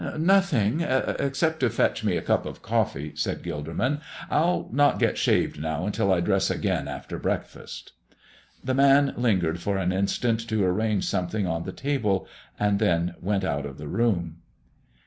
"Nothing, except to fetch me a cup of coffee," said Gilderman. "I'll not get shaved now until I dress again after breakfast." The man lingered for an instant to arrange something on the table and then went out of the room.